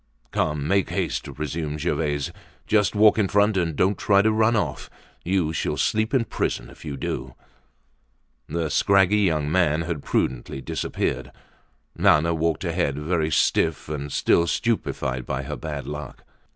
"Come, make haste!" resumed Gervaise. "Just walk in front, and don't try to run off. You shall sleep in prison if you do." The scraggy young man had prudently disappeared. Nana walked ahead, very stiff and still stupefied by her bad luck.